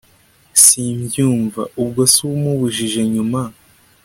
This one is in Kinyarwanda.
simbyumva ubwose umubujije nyuma